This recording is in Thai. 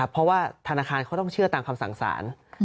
เพราะว่าธนาคารเขาต้องเชื่อตามคำสั่งสาร